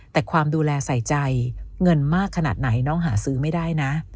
แต่ความดูแลใส่ใจเงินมากขนาดไหนน้องหาซื้อไม่ได้นะ